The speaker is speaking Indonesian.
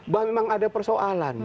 bahwa memang ada persoalan